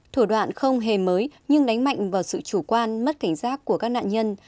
thủ đoạn không hề mới nhưng đánh mạnh vào sự chủ quan mất cảnh giác của các nạn nhân